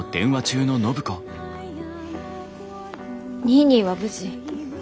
ニーニーは無事。